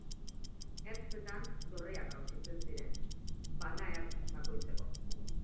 Ertzetan, dorreak aurkitzen ziren, bana ertz bakoitzeko.